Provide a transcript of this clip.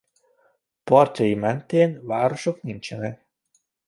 Partjai mentén városok nincsenek.